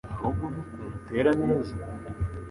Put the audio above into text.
ahubwo nukuntu utera neza.